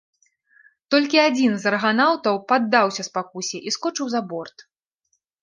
Толькі адзін з арганаўтаў паддаўся спакусе і скочыў за борт.